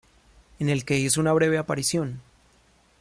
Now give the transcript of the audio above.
En el que hizo una breve aparición.